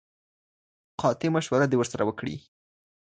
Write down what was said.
قاطع مشوره دي ورسره وکړي.